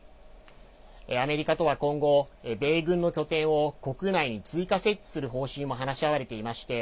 アメリカとは今後、米軍の拠点を国内に追加設置する方針も話し合われていまして